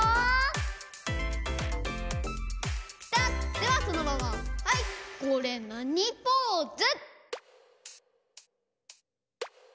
ではそのままはいこれなにポーズ？